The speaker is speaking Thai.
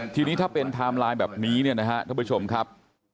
ทีนี้ถ้าเป็นไทม์ไลน์แบบนี้เนี่ยนะฮะท่านผู้ชมครับ